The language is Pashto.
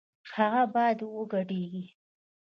هغه بايد وګډېږي